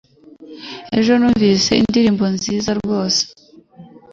Ejo numvise indirimbo nziza rwose.